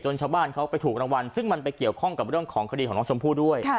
ชาวบ้านเขาไปถูกรางวัลซึ่งมันไปเกี่ยวข้องกับเรื่องของคดีของน้องชมพู่ด้วย